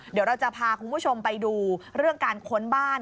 เดี๋ยวเราจะพาคุณผู้ชมไปดูเรื่องการค้นบ้าน